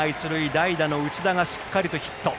代打の内田がしっかりとヒット。